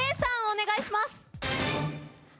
お願いします。